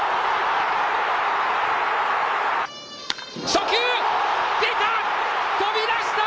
初球、出た。